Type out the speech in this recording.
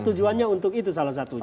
tujuannya untuk itu salah satunya